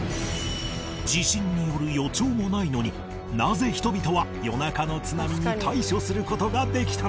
地震による予兆もないのになぜ人々は夜中の津波に対処する事ができたのか？